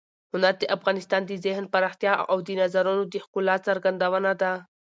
هنر د انسان د ذهن پراختیا او د نظرونو د ښکلا څرګندونه ده.